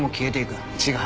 違う！